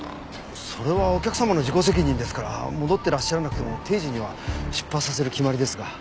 それはお客様の自己責任ですから戻ってらっしゃらなくても定時には出発させる決まりですが。